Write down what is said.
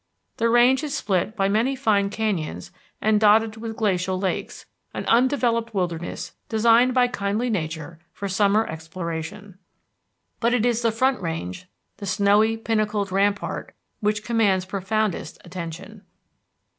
The range is split by many fine canyons and dotted with glacial lakes, an undeveloped wilderness designed by kindly nature for summer exploration. But it is the Front Range, the snowy pinnacled rampart, which commands profoundest attention.